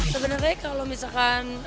sebenernya kalau misalkan